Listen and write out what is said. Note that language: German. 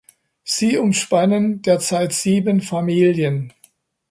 Sie umspannen derzeit sieben Familien.